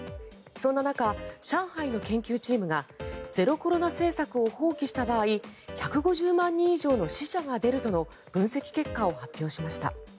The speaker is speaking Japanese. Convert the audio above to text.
そんな中、上海の研究チームがゼロコロナ政策を放棄した場合１５０万人以上の死者が出るとの分析結果を発表しました。